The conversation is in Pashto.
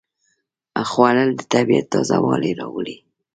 خوړل د طبیعت تازهوالی راولي